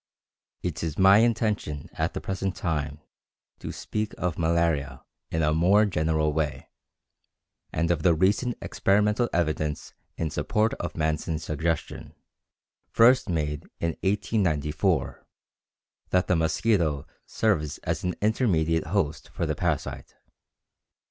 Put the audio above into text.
It is my intention at the present time to speak of "Malaria" in a more general way, and of the recent experimental evidence in support of Manson's suggestion, first made in 1894, that the mosquito serves as an intermediate host for the parasite.